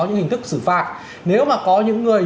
những hình thức xử phạt nếu mà có những người